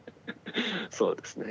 そうですね。